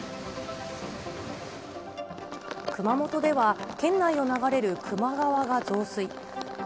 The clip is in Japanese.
熊本では、県内を流れる球磨川が増水。